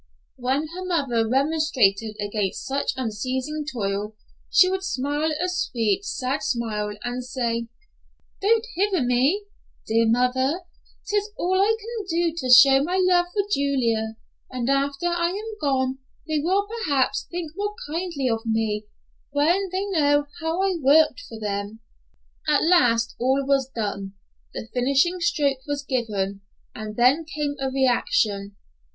When her mother remonstrated against such unceasing toil, she would smile a sweet, sad smile and say, "Don't hinder me, dear mother, 'tis all I can do to show my love for Julia, and after I am gone they will perhaps think more kindly of me, when they know how I worked for them." At last all was done; the finishing stroke was given, and then came a reaction.